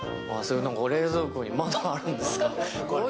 冷蔵庫にまだあるんですか。